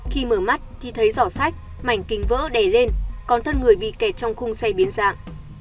khi mở mắt thì thấy giỏ sách mảnh kính vỡ đè lên còn thân người bị kẹt trong khung xe biến dạng